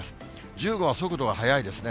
１０号は速度が速いですね。